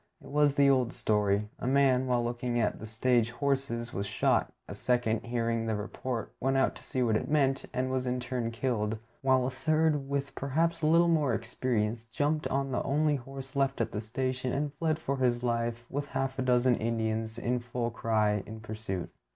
It was the old story. A man, while looking for the stage horses, was shot; a second, hearing the report, went out to see what it meant, and was in turn killed; while a third, with perhaps a little more experience, jumped on the only horse left at the station and fled for his life, with half a dozen Indians in full cry in pursuit.